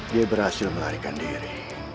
dia berhasil melarikan diri